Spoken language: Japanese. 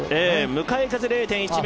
向かい風０．１ｍ。